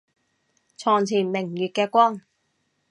床前明月嘅光